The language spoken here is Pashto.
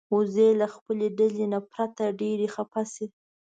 وزې له خپلې ډلې نه پرته ډېرې خپه شي